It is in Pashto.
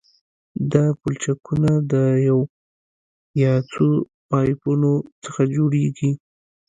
دا پلچکونه د یو یا څو پایپونو څخه جوړیږي